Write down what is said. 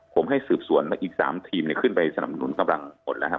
ผมให้สืบสวนอีก๓ทีมขึ้นไปสนับสนุนกำลังผลแล้วครับ